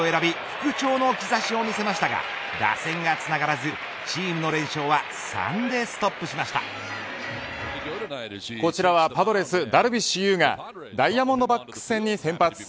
復調の兆しを見せましたが打線がつながらずチームの連勝はこちらはパドレスダルビッシュ有がダイヤモンドバックス戦に先発。